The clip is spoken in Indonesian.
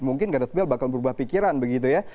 mungkin gareth bale bakal berubah pikiran begitu ya